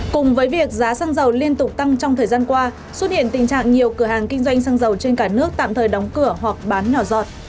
cùng với việc giá xăng dầu liên tục tăng trong thời gian qua xuất hiện tình trạng nhiều cửa hàng kinh doanh xăng dầu trên cả nước tạm thời đóng cửa hoặc bán nhỏ giọt